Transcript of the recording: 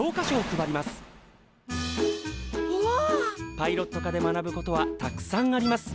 パイロット科で学ぶことはたくさんあります。